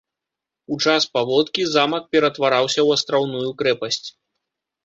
У час паводкі замак ператвараўся ў астраўную крэпасць.